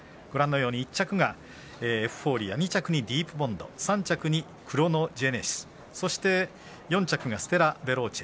１着がエフフォーリア２着にディープボンド３着にクロノジェネシスそして４着がステラヴェローチェ。